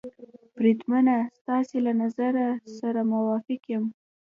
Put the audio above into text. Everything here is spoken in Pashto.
بریدمنه، ستاسې له نظر سره موافق یم.